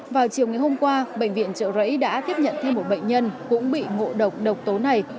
vào chiều ngày hôm qua bệnh viện trợ rẫy đã tiếp nhận thêm một bệnh nhân cũng bị ngộ độc độc tố này